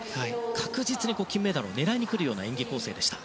確実に金メダルを狙いに来るような演技構成でした。